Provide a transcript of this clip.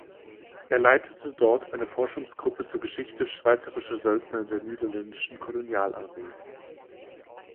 Er leitete dort eine Forschungsgruppe zur Geschichte schweizerischer Söldner in der Niederländischen Kolonialarmee.